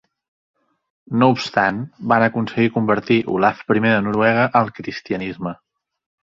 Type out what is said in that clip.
No obstant, van aconseguir convertir Olaf I de Noruega al cristianisme.